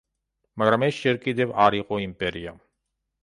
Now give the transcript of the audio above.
მაგრამ ეს ჯერ კიდევ არ იყო იმპერია.